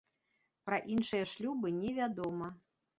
Пра іншыя шлюбы не вядома.